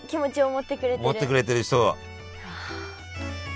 持ってくれてる人を。